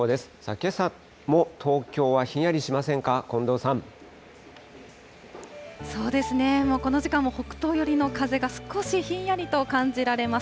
けさも東京はひんやりしませんか、そうですね、この時間も北東寄りの風が少しひんやりと感じられます。